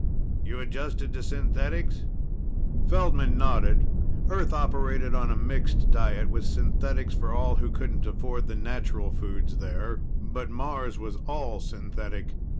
"You adjusted to synthetics?" Feldman nodded. Earth operated on a mixed diet, with synthetics for all who couldn't afford the natural foods there. But Mars was all synthetic.